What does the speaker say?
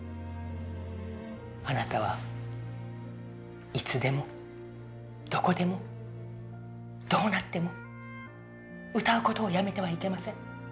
あなたはいつでもどこでもどうなっても歌うことをやめてはいけません。